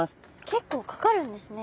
結構かかるんですね。